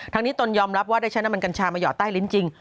ทั้งนี้ตนยอมรับว่าได้ใช้น้ำมันกัญชามาหยอดใต้ลิ้นจริง